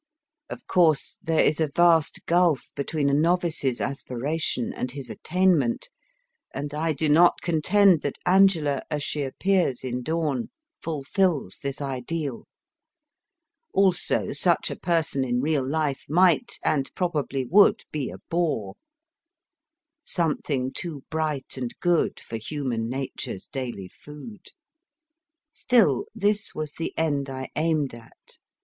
Of course, there is a vast gulf between a novice s aspiration and his attainment, and I do not contend that Angela as she appears in Dawn fulfils this ideal ; also, such a person in real life might, and probably would, be a bore Something too bright and good For human nature s daily food. Still, this was the end I aimed at.